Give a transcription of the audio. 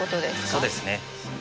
そうですね。